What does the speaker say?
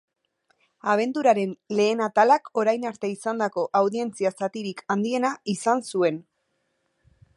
Abenturaren lehen atalak orain arte izandako audientzia-zatirik handiena izan zuen.